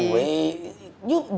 nah just get away